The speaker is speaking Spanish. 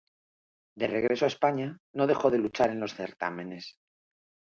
De regreso a España, no dejó de luchar en los certámenes.